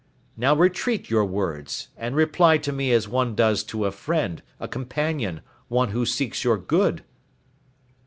Now retreat your words, and reply to me as one does to a friend, a companion, one who seeks your good."